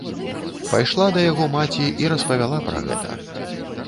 Пайшла да яго маці і распавяла пра гэта.